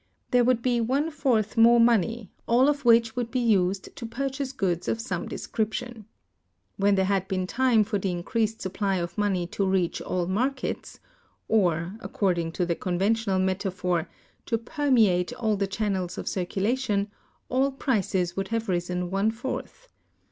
There would be one fourth more money, all of which would be used to purchase goods of some description. When there had been time for the increased supply of money to reach all markets, or (according to the conventional metaphor) to permeate all the channels of circulation, all prices would have risen one fourth.